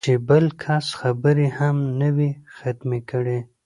چې بل کس خبرې هم نه وي ختمې کړې